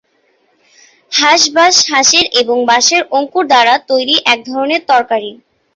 হাঁস-বাশ হাঁসের এবং বাঁশের অঙ্কুর দ্বারা তৈরি এক ধরণের তরকারি।